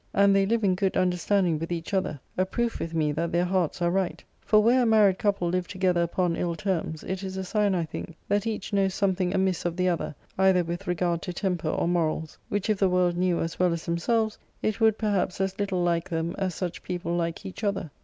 And they live in good understanding with each other: a proof with me that their hearts are right; for where a married couple live together upon ill terms, it is a sign, I think, that each knows something amiss of the other, either with regard to temper or morals, which if the world knew as well as themselves, it would perhaps as little like them as such people like each other.